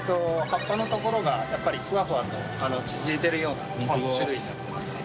葉っぱのところがやっぱりフワフワと縮れてるような種類になってますね。